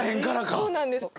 そうなんですよ。